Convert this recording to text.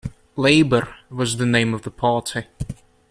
"Labour" was the name of the party.